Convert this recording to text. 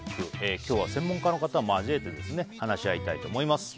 今日は専門家の方を交えて話し合いたいと思います。